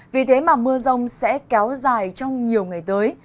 vì thế mà mưa rông sẽ kéo dài trong nhiều ngày tới